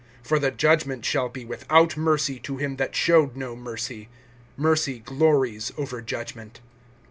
(13)For the judgment shall be without mercy, to him that showed no mercy. Mercy glories over judgment.